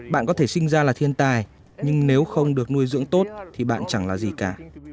bạn có thể sinh ra là thiên tài nhưng nếu không được nuôi dưỡng tốt thì bạn chẳng là gì cả